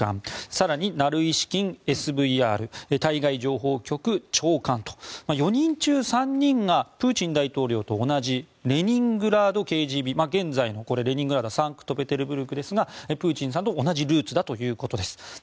更に、ナルイシキンＳＶＲ・対外情報局長官と４人中３人がプーチン大統領と同じレニングラードＫＧＢレニングラードは現在のサンクトペテルブルクですがプーチンさんと同じルーツだということです。